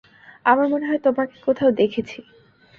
আমার মনে হয় তোমাকে কোথাও দেখেছি।